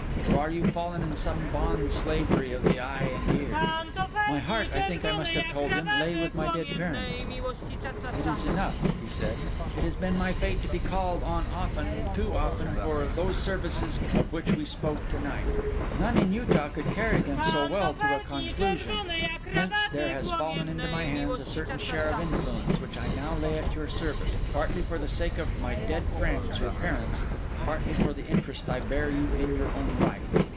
or are you fallen in some bond slavery of the eye and ear?' I answered him in broken words; my heart, I think I must have told him, lay with my dead parents. 'It is enough,' he said. 'It has been my fate to be called on often, too often, for those services of which we spoke to night; none in Utah could carry them so well to a conclusion; hence there has fallen into my hands a certain share of influence which I now lay at your service, partly for the sake of my dead friends, your parents; partly for the interest I bear you in your own right.